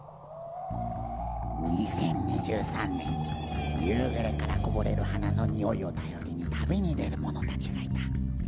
「２０２３年夕暮れからこぼれる花のにおいを頼りに旅に出る者たちがいた」